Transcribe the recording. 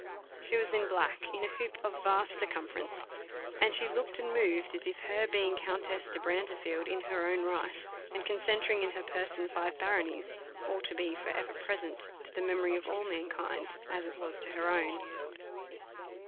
She was in black, in a hoop of vast circumference, and she looked and moved as if her being Countess de Brantefield in her own right, and concentring in her person five baronies, ought to be for ever present to the memory of all mankind, as it was to her own.